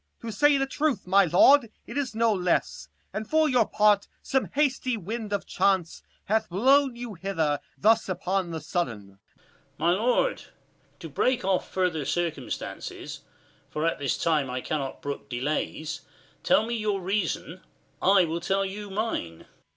25 Corn. To say the truth, my lord, it is no less, And for your part some hasty wind of chance Hath blown you hither thus upon the sudden. Cam. My lord, to break off further circumstances, For at this time I cannot brook delays : 30 Tell you your reason, I will tell you mine.